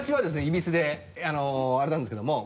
いびつであれなんですけども。